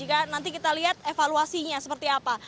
kita lihat evaluasinya seperti apa